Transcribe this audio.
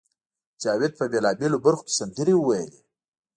جاوید په بېلابېلو برخو کې سندرې وویلې